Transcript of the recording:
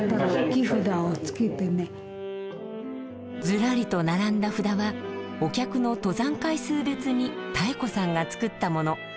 ずらりと並んだ札はお客の登山回数別に妙子さんが作ったもの。